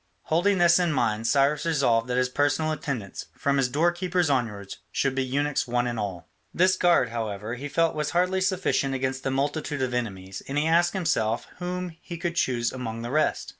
Holding this in mind, Cyrus resolved that his personal attendants, from his doorkeepers onwards, should be eunuchs one and all. This guard, however, he felt was hardly sufficient against the multitude of enemies, and he asked himself whom he could choose among the rest.